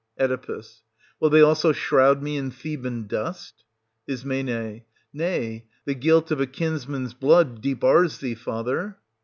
Oe. Will they also shroud me in Theban dust } Is. Nay, the guilt of a kinsman's blood debars thee, father.